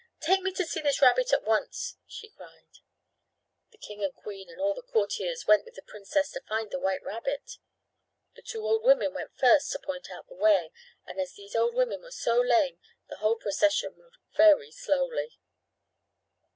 "Take me to see this rabbit at once!" she cried. The king and queen and all the courtiers went with the princess to find the white rabbit. The two old women went first to point out the way, and as these old women were so lame the whole procession moved very slowly.